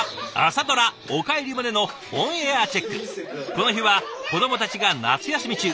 この日は子どもたちが夏休み中。